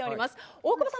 大久保さん